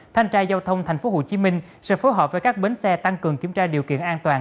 thanh tra giao thông tp hcm sẽ phối hợp với các bến xe tăng cường kiểm tra điều kiện an toàn